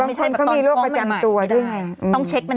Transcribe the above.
บางคนเขามีรูปประจำตัวด้วยไง